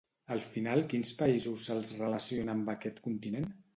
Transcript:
Al final quins països se'ls relaciona amb aquest continent?